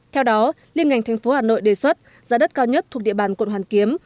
theo đó liên ngành tp hà nội đề xuất giá đất cao nhất thuộc địa bàn quận hoàn kiếm